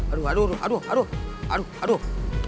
aduh aduh aduh